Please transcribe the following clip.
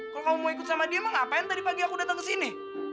kalau kamu mau ikut sama dia emang ngapain tadi pagi aku datang kesini